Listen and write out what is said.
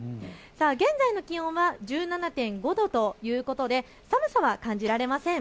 現在の気温は１７．５度ということで寒さは感じられません。